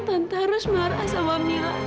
tante tak kecebar